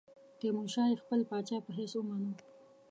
تیمورشاه یې خپل پاچا په حیث ومانه.